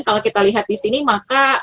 kalau kita lihat disini maka